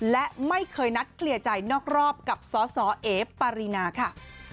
และไม่เคยนัดเคลียร์ใจนอกรอบกับสสเอปารีนาค่ะ